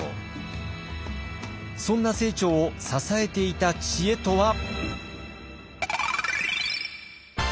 そんな清張を支えていた知恵とは？